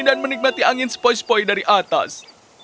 dan menikmati angin sepoi sepoi dari atas